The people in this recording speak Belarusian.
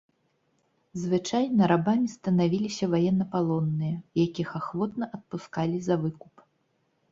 Звычайна рабамі станавіліся ваеннапалонныя, якіх ахвотна адпускалі за выкуп.